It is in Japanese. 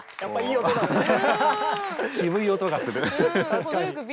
確かに。